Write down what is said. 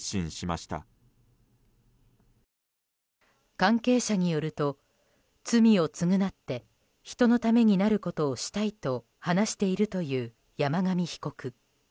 関係者によると、罪を償って人のためになることをしたいと話しているという山上被告。